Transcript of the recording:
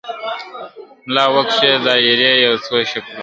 ملا وکښې دایرې یو څو شکلونه ..